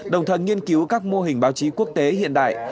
đồng thời nghiên cứu các mô hình báo chí quốc tế hiện đại